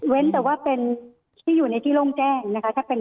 แต่ว่าเป็นที่อยู่ในที่โล่งแจ้งนะคะ